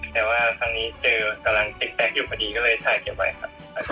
แต่ว่าครั้งนี้เจอกำลังติดแซคอยู่พอดีก็เลยถ่ายเก็บไว้ครับ